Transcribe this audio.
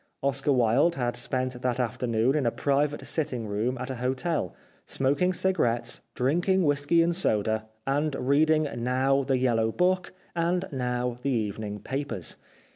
Oscar Wilde had spent that afternoon in a private sitting room at a hotel, smoking cigarettes, drinking whisky and soda, and reading now the Yellow Book, and now the evening papers.